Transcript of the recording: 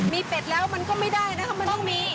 มีเป็ดแล้วมันก็ไม่ได้นะคะมันต้องมี